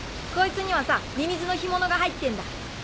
こいつにはさミミズの干物が入ってんだ。